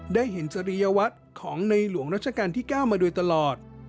ได้เห็นสริยาวัสดิ์ของนายหลวงรัชกาลที่๙มาด้วยตลอด